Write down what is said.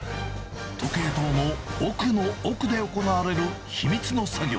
時計塔の奥の奥で行われる秘密の作業。